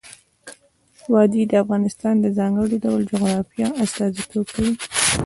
وادي د افغانستان د ځانګړي ډول جغرافیه استازیتوب کوي.